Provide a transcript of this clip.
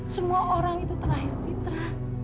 semua orang itu terakhir fitrah